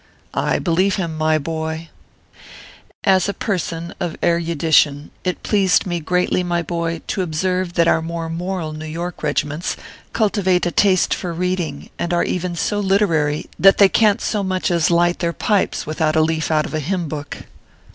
I believe him, my boy ! As a person of erudition, it pleased me greatly, my boy, to observe that our more moral New York regi ments cultivate a taste for reading, and are even so literary that they can t so much as light their pipes without a leaf out of a hymn book.